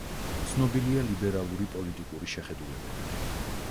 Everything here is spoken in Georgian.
ცნობილია ლიბერალური პოლიტიკური შეხედულებებით.